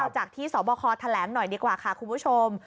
จากที่สบคแถลงหน่อยดีกว่าค่ะคุณผู้ชม